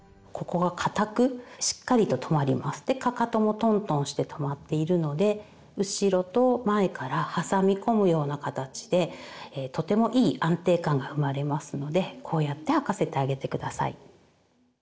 でかかともトントンしてとまっているので後ろと前から挟み込むような形でとてもいい安定感が生まれますのでこうやって履かせてあげて下さい。